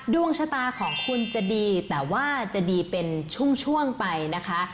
ดวงชะตาของคุณจะดีแต่ว่าจะดีเป็นช่วงไปนะคะ